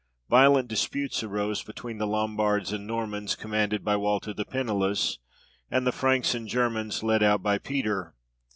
Violent disputes arose between the Lombards and Normans commanded by Walter the Pennyless, and the Franks and Germans led out by Peter.